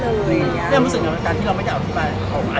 เรื่องนั้นก็การที่เราไม่ได้อธิบาย